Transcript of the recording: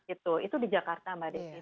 itu itu di jakarta mbak desi